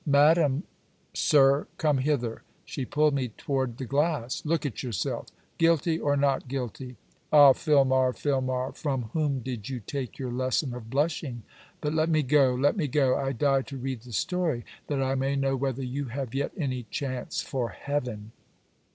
'Madam ' 'Sir Come hither.' she pulled me toward the glass. 'Look at yourself. Guilty or not guilty? Ah, Filmar, Filmar, from whom did you take your lesson of blushing? But let me go, let me go. I die to read the story, that I may know whether you have yet any chance for heaven!'